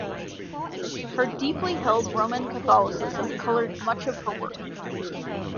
Her deeply held Roman Catholicism coloured much of her work.